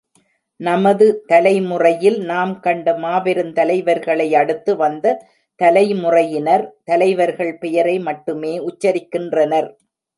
நமது தலைமுறையில் நாம் கண்ட மாபெருந்தலைவர்களையடுத்து வந்த தலைமுறையினர் தலைவர்கள் பெயரை மட்டுமே உச்சரிக்கின்றனர்.